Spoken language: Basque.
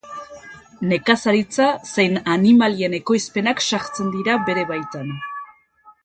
Nekazaritza zein animalien ekoizpenak sartzen dira bere baitan.